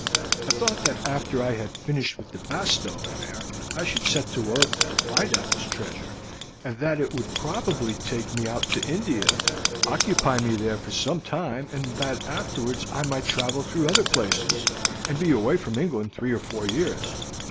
I thought that after I had finished with the Bastow affair I should set to work to find out this treasure, and that it would probably take me out to India, occupy me there for some time, and that afterwards I might travel through other places, and be away from England three or four years.